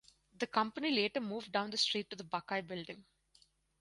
The company later moved down the street to the Buckeye Building.